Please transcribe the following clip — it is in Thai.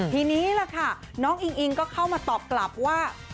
ทีนี้ล่ะค่ะน้องอิงอิงก็เข้ามาตอบกลับว่า